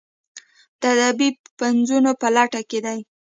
د ادبي پنځونو په لټه کې دي.